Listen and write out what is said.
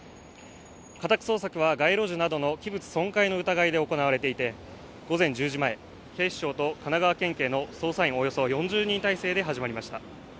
家宅捜索は街路樹などの器物損壊の疑いで行われていて午前１０時前警視庁と神奈川県警の捜査員およそ４０人態勢で始まりました